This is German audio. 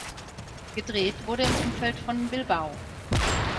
Gedreht wurde im Umfeld von Bilbao.